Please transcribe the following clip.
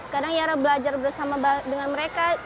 kadang yara belajar bersama dengan mereka